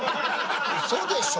ウソでしょ！